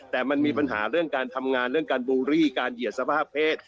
แต่มันมีปัญหาเรื่องการทำงานเรื่องการบูรี่การเหยียดสภาพเพศ